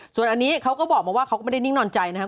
ส่วนอันนี้เขาก็บอกมาว่าเขาก็ไม่ได้นิ่งนอนใจนะครับ